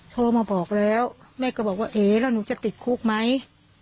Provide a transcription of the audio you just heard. โทรมาบอกแล้วแม่ก็บอกว่าเอ๊แล้วหนูจะติดคุกไหม